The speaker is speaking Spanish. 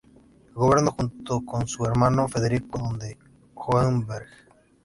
Gobernó junto con su hermano Federico, conde de Hohenberg.